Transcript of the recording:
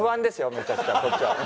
めちゃくちゃこっちは。